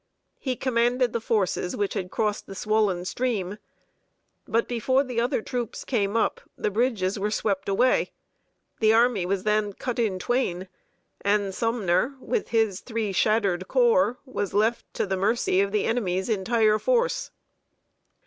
He commanded the forces which had crossed the swollen stream. But before the other troops came up, the bridges were swept away. The army was then cut in twain; and Sumner, with his three shattered corps, was left to the mercy of the enemy's entire force.